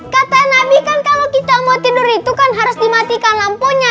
kata nabi kan kalau kita mau tidur itu kan harus dimatikan lampunya